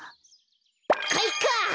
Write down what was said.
かいか！